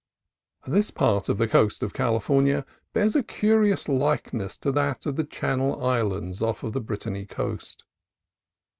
This part of the coast of California bears a curious likeness to that of the Channel Islands off the Brit tany Coast.